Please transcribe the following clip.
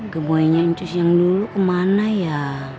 gemoynya incus yang dulu kemana ya